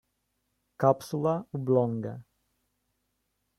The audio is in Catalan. Càpsula oblonga.